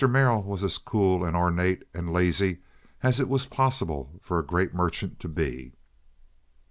Merrill was as cool and ornate and lazy as it was possible for a great merchant to be.